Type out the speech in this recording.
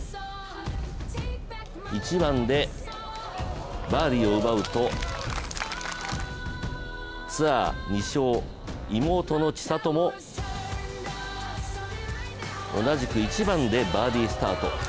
１番でバーディーを奪うと、ツアー２勝、妹の千怜も同じく１番でバーディースタート。